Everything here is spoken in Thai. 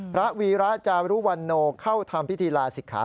วีระจารุวันโนเข้าทำพิธีลาศิกขา